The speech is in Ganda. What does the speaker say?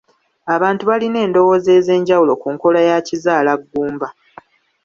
Abantu balina endowooza ez'enjawulo ku nkola ya kizaalaggumba.